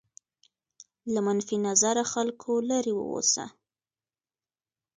له منفي نظره خلکو لرې واوسه.